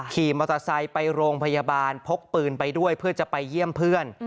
ขี่มอเตอร์ไซค์ไปโรงพยาบาลพกปืนไปด้วยเพื่อจะไปเยี่ยมเพื่อน